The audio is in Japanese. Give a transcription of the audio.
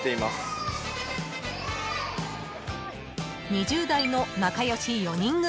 ［２０代の仲良し４人組］